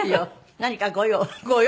何かご用？